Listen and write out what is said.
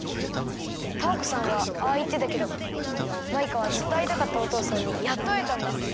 タアコさんはああいってたけどマイカはずっとあいたかったおとうさんにやっとあえたんだ。